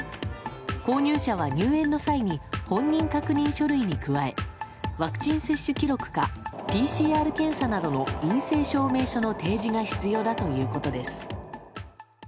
購入者は入園の際に本人確認書類に加えワクチン接種記録かＰＣＲ検査などの陰性証明書の提示が必要だということです。